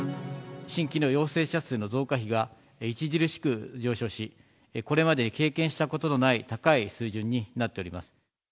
新規の陽性者数の増加比が著しく上昇し、これまで経験したことのない高い水準になっております。